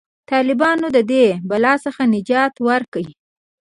طالبانو د دې بلا څخه نجات ورکړ.